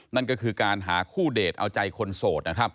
นั่นก็คือการหาคู่เดทเอาใจคนโสดนะครับ